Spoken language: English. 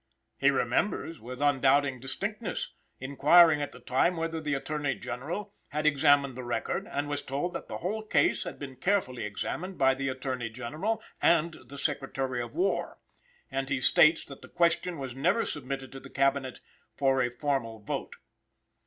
He remembers, with undoubting distinctness, inquiring at the time whether the Attorney General had examined the record, and was told that the whole case had been carefully examined by the Attorney General and the Secretary of War; and he states that the question was never submitted to the Cabinet for a formal vote.